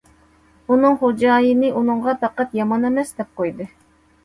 ئۇنىڭ خوجايىنى ئۇنىڭغا پەقەت« يامان ئەمەس» دەپ قويدى.